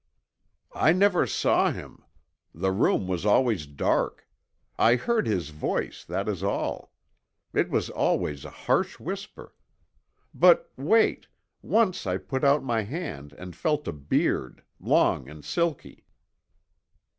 "I never saw him. The room was always dark. I heard his voice, that is all. It was always a harsh whisper. But wait, once I put out my hand and felt a beard, long and silky."